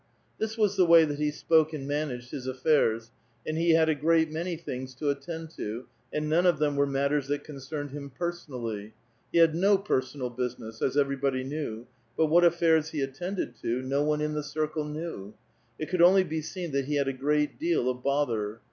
This was the waj' that he spoke and managed his affairs, he had a great many things to attend to, and none of 'tihein were matters that concerned him personally ; he had »io personal business, as everybody knew ; but what affairs lie attended to, no one in the circle knew. It could onlv be seen that he had a great deal of bother.